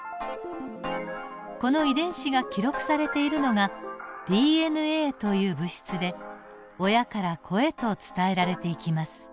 この遺伝子が記録されているのがＤＮＡという物質で親から子へと伝えられていきます。